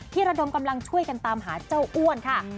ระดมกำลังช่วยกันตามหาเจ้าอ้วนค่ะ